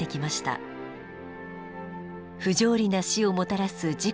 不条理な死をもたらす事故や災害。